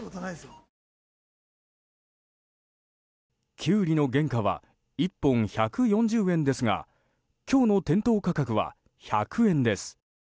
キュウリの原価は１本１４０円ですが今日の店頭価格は１００円です。